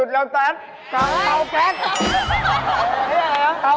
มานำทุกมาให้เลยนะครับไงครับอาจจะ